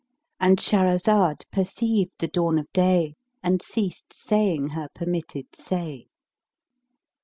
—And Shahrazad perceived the dawn of day and ceased saying her permitted say.